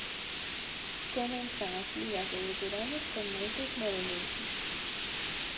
Comezan as ligas de veteranos con moitos movementos.